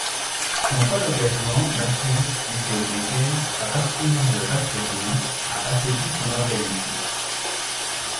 Son fol engagement d'archiviste-bibliothécaire à parcourir le vaste pays a affaibli son organisme.